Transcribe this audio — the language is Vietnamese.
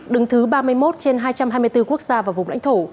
đứng thứ ba mươi một trên hai trăm hai mươi bốn quốc gia và vùng lãnh thổ